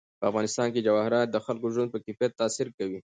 په افغانستان کې جواهرات د خلکو د ژوند په کیفیت تاثیر کوي.